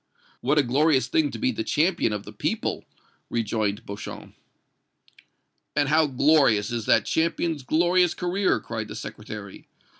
"What a glorious thing to be the champion of the people!" rejoined Beauchamp. "And how glorious is that champion's glorious career!" cried the Secretary.